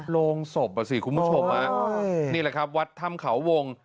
โรงศพอ่ะสิคุณผู้ชมนี่แหละครับวัดถ้ำเขาวง